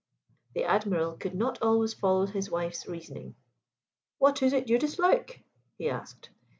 The Admiral could not always follow his wife's reasoning. "What is it you dislike?" he asked.